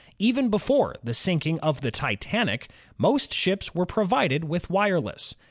Even before the sinking of the Titanic, most ships were provided with wireless.